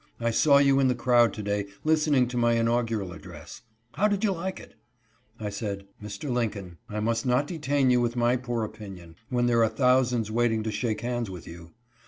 I saw you in the crowd to day, list ening to my inaugural address ; how did you like it ?" I said, " Mr. Lincoln, I must not detain you with my poor opinion, when there are thousands waiting to shake hands with you."